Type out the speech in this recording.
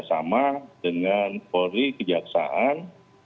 kerjasama dengan polri kejaksaan